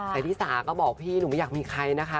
แต่ที่สาก็บอกพี่หนูไม่อยากมีใครนะคะ